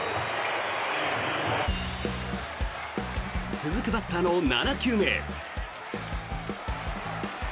続くバッターの７球目。